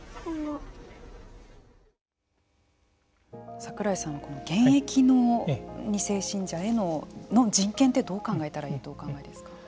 櫻井さんはこの現役の２世信者の人権ってどう考えたらいいとお考えですか。